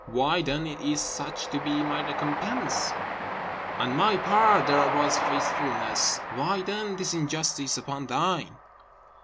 Why, then, is such to be my recompense? On my part there was faithfulness, Why then this injustice upon thine?"